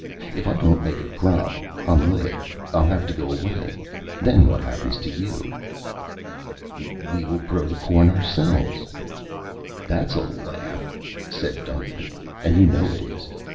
"If I don't make a crop, I'm licked. I'll have to go away. Then what happens to you?" "We will grow the corn ourselves." "That's a laugh," said Duncan, "and you know it is.